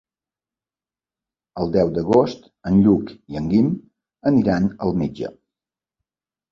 El deu d'agost en Lluc i en Guim aniran al metge.